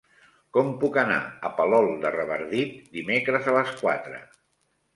Com puc anar a Palol de Revardit dimecres a les quatre?